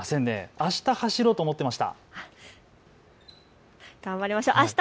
あした、走ろうと思っていました。